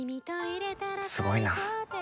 すごいな。